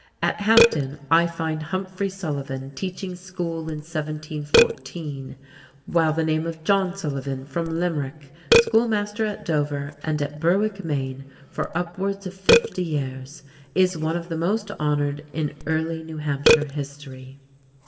At Hampton, I find Humphrey Sullivan teaching school in 1714, while the name of John Sullivan from Limerick, schoolmaster at Dover and at Berwick, Me., for upwards of fifty years, is one of the most honored in early New Hampshire history.